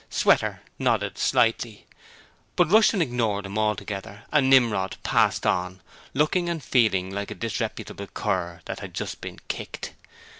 Sweater nodded slightly, but Rushton ignored him altogether and Nimrod passed on looking and feeling like a disreputable cur that had just been kicked.